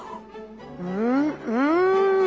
うんうん。